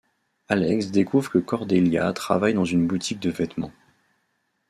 Alex découvre que Cordelia travaille dans une boutique de vêtements.